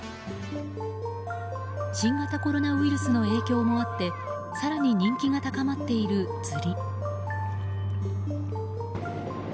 新型コロナウイルスの影響もあって更に人気が高まっている釣り。